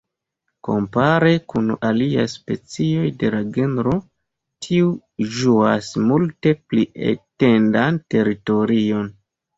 Kompare kun aliaj specioj de la genro, tiu ĝuas multe pli etendan teritorion.